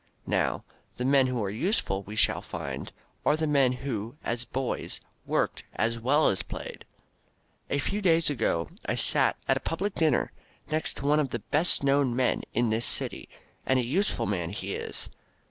Now the men who are useful, we shall find, are the men who, as boys, worked as well as played. A few days ago I sat at a public dinner next to one of the best known men in this city, and a useful man he is.